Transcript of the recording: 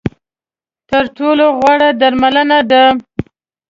تر ټولو غوره درملنه ده .